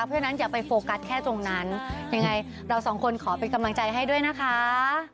เพราะฉะนั้นอย่าไปโฟกัสแค่ตรงนั้นยังไงเราสองคนขอเป็นกำลังใจให้ด้วยนะคะ